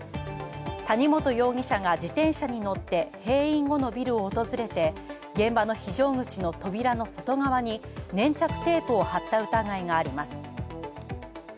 谷本容疑者が自転車に乗って閉院後のビルを訪れて現場の非常口の扉の外側に粘着テープを貼った疑いがあります。